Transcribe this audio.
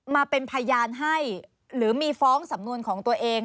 มาเป็นพยานให้หรือมีฟ้องสำนวนของตัวเอง